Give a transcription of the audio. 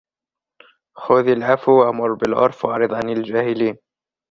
خذ العفو وأمر بالعرف وأعرض عن الجاهلين